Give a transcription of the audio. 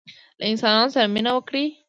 له انسانانو سره مینه وکړئ